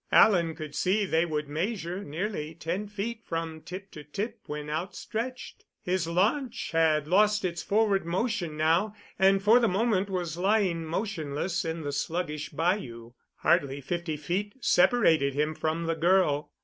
Alan could see they would measure nearly ten feet from tip to tip when outstretched. His launch had lost its forward motion now, and for the moment was lying motionless in the sluggish bayou. Hardly fifty feet separated him from the girl.